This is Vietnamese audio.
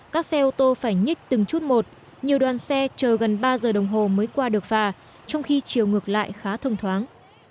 các xe ô tô phải nhích từng chút một nhiều đoàn xe chờ gần ba giờ đồng hồ mới qua được phà trong khi chiều ngược lại khá thông thoáng